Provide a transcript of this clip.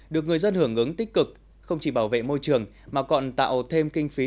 được người dân hưởng ứng tích cực không chỉ bảo vệ môi trường mà còn tạo thêm kinh phí